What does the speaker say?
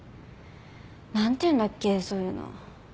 何ていうんだっけそういうの。